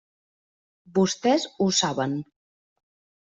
Vostès ho saben.